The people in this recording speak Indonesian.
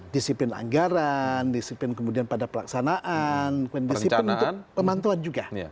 disiplin anggaran disiplin kemudian pada pelaksanaan kemudian disiplin untuk pemantauan juga